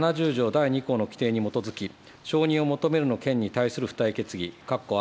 第２項の規定に基づき、承認を求めるの件に対する付帯決議。